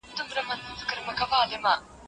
کارپوهان د بدن غوړو ته پام سپارښتنه کوي.